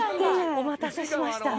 お待たせしました。